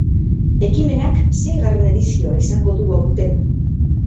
Ekimenak seigarren edizioa izango du aurten.